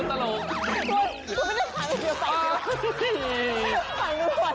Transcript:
อุ๊ยไม่ได้สระเดี๋ยว